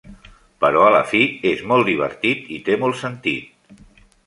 Però a la fi, és molt divertit i té molt sentit.